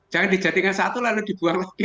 jangan dijadikan satu lalu dibuang lagi